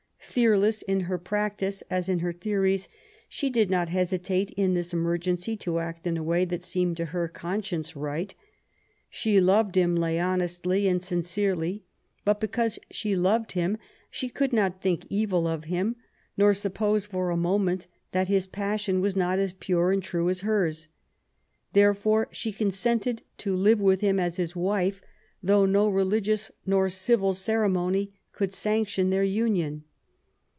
Fearless in her practice as in her theories^ she did not hesitate in this emergency to act in a way that seemed to her conscience right. She loved Imlay honestly and sin cerely ; but because she loved him she could not think evil of him^ nor suppose for a moment that his passion was not as pure and true as hers. Therefore she con sented to live with him as his wife, though no religious nor civil ceremony could sanction their union.